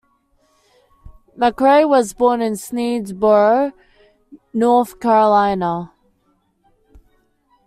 McRae was born in Sneedsboro, North Carolina.